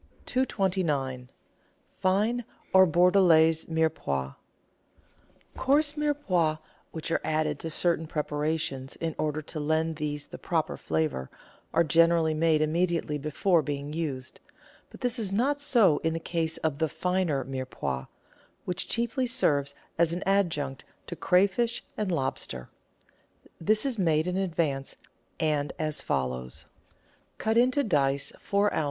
229— FINE OR BORDELAISE MIREPOIX Coarse Mirepoix, which are added to certain preparations in order to lend these the proper flavour, are generally made immediately before being used, but this is not so in the case of the finer Mirepoix, which chiefly serves as an adjunct to crayfish and lobsters, This is made in advance, and as follows :— GARNISHING FOR RELEVES AND ENTREES 95 Cut into dice four oz.